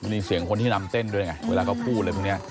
มีเสียงคนที่นำเต้นด้วยไงเวลาก็พูดเลยตรงเนี่ย